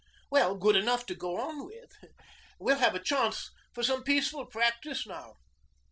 Well, good enough to go on with. We'll have a chance for some peaceful practice now?'